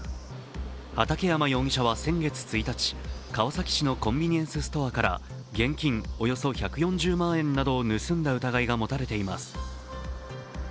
畠山容疑者は先月１日、川崎市のコンビニエンスストアから現金およそ１４０万円などを盗んだ疑いが持たれています。